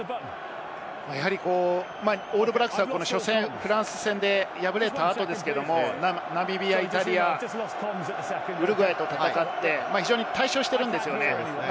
オールブラックスは初戦のフランス戦で敗れた後、ナミビア、イタリア、ウルグアイと戦って大勝しているんです。